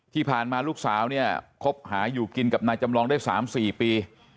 ที่ผ่านมาลูกสาวเนี่ยคบหาอยู่กินกับนายจำลองได้๓๔ปี